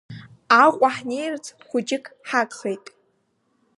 Аҟәа ҳнеирц хәыҷык ҳагхеит.